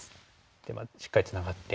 ではしっかりツナがって。